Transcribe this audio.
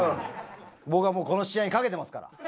僕はもうこの試合にかけてますから。